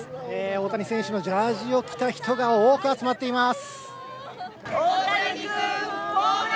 大谷選手のジャージーを着た人が多く集まってます。